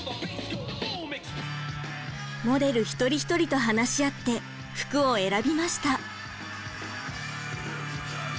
モデル一人一人と話し合って服を選びました。